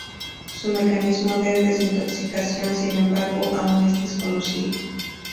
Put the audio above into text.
Su mecanismo de desintoxicación, sin embargo, aún es desconocido.